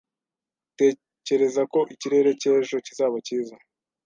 Utekereza ko ikirere cy'ejo kizaba cyiza